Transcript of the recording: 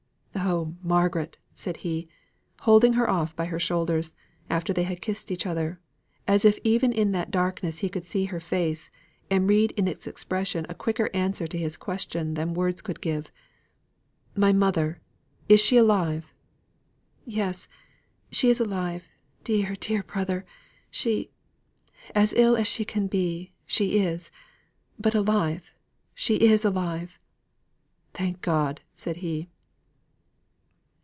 "Oh, Margaret!" said he, holding her off by her shoulders, after they had kissed each other, as if even in that darkness he could see her face, and read in its expression a quicker answer to his question than words could give, "My mother! is she alive!" "Yes, she is alive, dear, dear brother! She as ill as she can be she is; but alive! She is alive!" "Thank God!" said he.